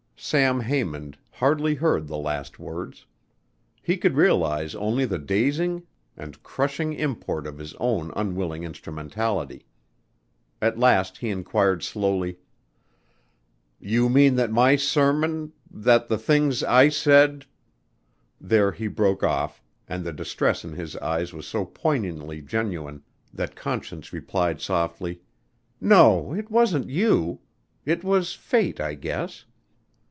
Sam Haymond hardly heard the last words. He could realize only the dazing and crushing import of his own unwilling instrumentality. At last he inquired slowly, "You mean that my sermon that the things I said " There he broke off and the distress in his eyes was so poignantly genuine that Conscience replied softly, "No, it wasn't you. It was Fate, I guess.